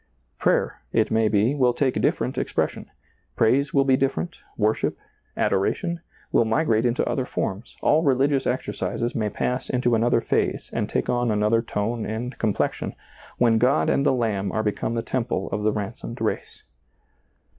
Prayer, it may be, will take different expres sion, praise will be different, worship, adoration, will migrate into other forms, all religious exercises may pass into another phase and take on another ^lailizccbvGoOgle I86 SEEING DARKLY tone and complexion when God and the I^anib are become the temple of the ransomed race.